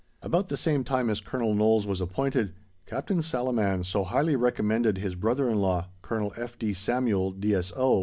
About the same time as Colonel Knowles was appointed, Captain Salaman so highly recommended his brother in law, Colonel F. D. Samuel, D.S.O.